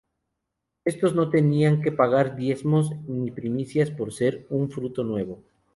Estos no tenían que pagar diezmos ni primicias por ser un fruto nuevo.